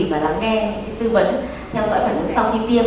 và lắng nghe những tư vấn theo dõi phản ứng sau khi tiêm